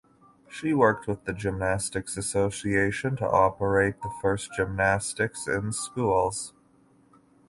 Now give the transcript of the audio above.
She worked with the Gymnastics Association to operate the first Gymnastics in Schools.